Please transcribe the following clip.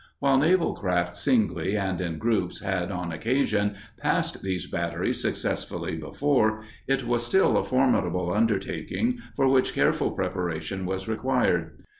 While naval craft singly and in groups had, on occasion, passed these batteries successfully before, it was still a formidable undertaking for which careful preparation was required.